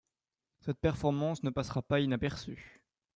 Cette performance ne passera pas inaperçue.